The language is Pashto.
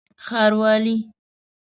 ښاروالي